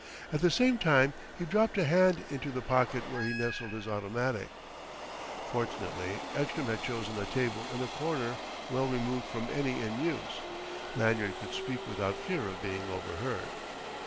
At the same time he dropped a hand into the pocket where nestled his automatic. Fortunately Ekstrom had chosen a table in a corner well removed from any in use. Lanyard could speak without fear of being overheard.